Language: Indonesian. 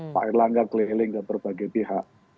pak erlangga keliling ke berbagai pihak